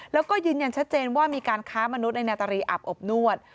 แล้วก็ยืนยันชัดเจนว่ามีการค้ามนุษย์ในนาตรีอาบอบนวด